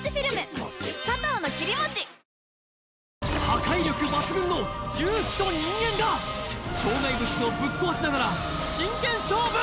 破壊力抜群の重機と人間が障害物をぶっ壊しながら真剣勝負！